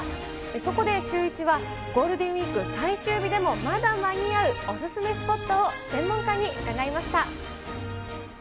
そこでシューイチは、ゴールデンウィーク最終日でもまだ間に合うお勧めスポットを、専門家に伺いました。